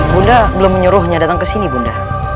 bunda belum menyuruhnya datang ke sini bunda